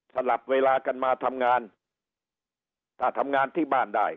สลับเวลากันมาทำงานถ้าทำงานที่บ้านได้